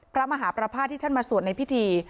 พระมหาประพาทที่ท่านมาสวดในพิธี